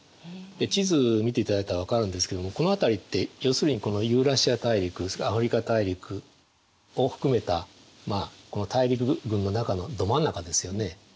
地図を見ていただいたら分かるんですけどもこの辺りって要するにこのユーラシア大陸それからアフリカ大陸を含めた大陸群の中のど真ん中ですよね。